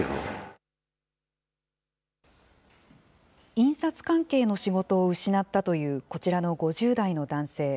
印刷関係の仕事を失ったという、こちらの５０代の男性。